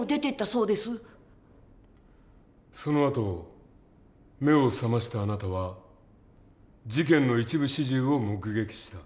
そのあと目を覚ましたあなたは事件の一部始終を目撃した。